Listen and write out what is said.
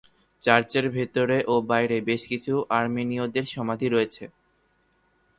চার্চের ভেতরে ও বাইরে বেশ কিছু আর্মেনীয়দের সমাধি রয়েছে।